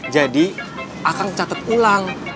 jadi akan catat ulang